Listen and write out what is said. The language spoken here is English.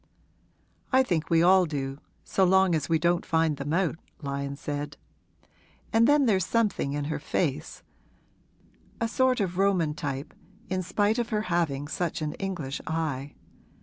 'I think we all do, so long as we don't find them out,' Lyon said. 'And then there's something in her face a sort of Roman type, in spite of her having such an English eye.